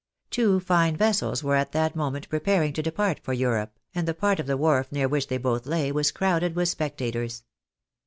Two fine vessels were at that moment preparing to depart for Europe, and the part of the wharf near which they both lay was crowded with spectators.